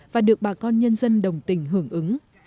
và được bà con nhân dân đồng tình hưởng ứng